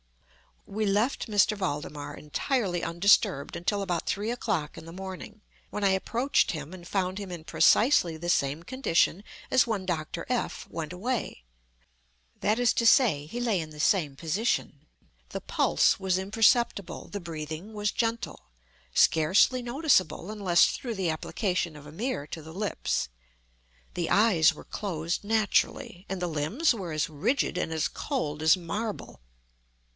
We left M. Valdemar entirely undisturbed until about three o'clock in the morning, when I approached him and found him in precisely the same condition as when Dr. F—— went away—that is to say, he lay in the same position; the pulse was imperceptible; the breathing was gentle (scarcely noticeable, unless through the application of a mirror to the lips); the eyes were closed naturally; and the limbs were as rigid and as cold as marble.